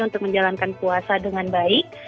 untuk menjalankan puasa dengan baik